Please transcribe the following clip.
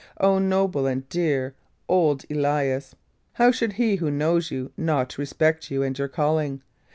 O noble and dear old Elias! how should he who knows you not respect you and your calling?